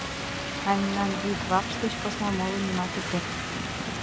— А мемнан вӱд вакш деч посна моло нимат уке.